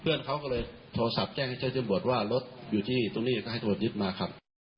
เพื่อนเขาก็เลยโทรศัพท์แจ้งให้เจ้าจำรวจว่ารถอยู่ที่ตรงนี้ก็ให้ตรวจยึดมาครับ